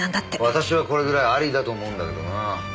私はこれぐらいありだと思うんだけどなぁ。